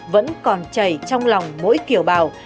vẫn còn chảy trong lòng mỗi kiểu bào